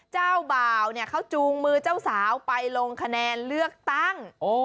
เจ้าบ่าวเขาจูงมือเจ้าสาวไปลงคะแนนเลือกตั้ง